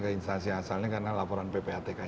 ke instansi asalnya karena laporan ppatk